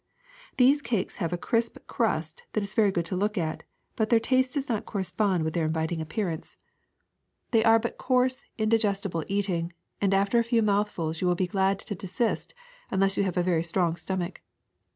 These cakes have a crisp crust that is very good to look at, but their taste does not correspond mth their inviting appearance. 279 280 THE SECRET OF EVERYDAY THINGS They are but coarse, indigestible eating, and after a few mouthf uls you will be glad to desist unless you have a very strong stomach.